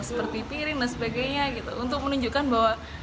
seperti piring dan sebagainya gitu untuk menunjukkan bahwa